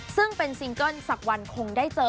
ซึ่งเป็นซิงเกิ้ลสักวันคงได้เจอ